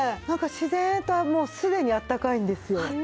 なんか自然ともうすでにあったかいんですよ。